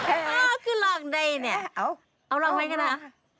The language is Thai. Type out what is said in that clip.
อ้าวคือลองได้เนี่ยเอาลองไว้กันนะ